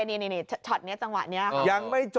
นี่ช็อตนี้จังหวะนี้